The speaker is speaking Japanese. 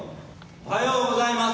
おはようございます。